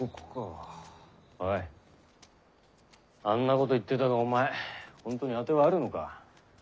あんなこと言ってたがお前本当にアテはあるのか。